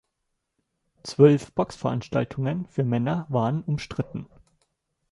Zwölf Boxveranstaltungen für Männer waren umstritten.